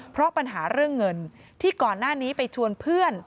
เพราะปัญหาเรื่องเงินที่ก่อนหน้านี้ไปชวนเพื่อน